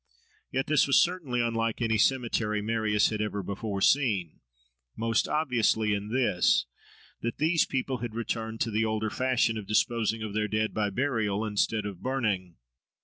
Yet this was certainly unlike any cemetery Marius had ever before seen; most obviously in this, that these people had returned to the older fashion of disposing of their dead by burial instead of burning.